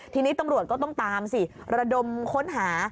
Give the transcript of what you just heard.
ทีนี้ตำรวจก็ต้องตามสิระดมค้นหา